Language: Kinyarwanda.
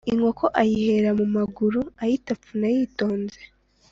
inkoko ayihera mu maguru ....ayitapfuna yitonze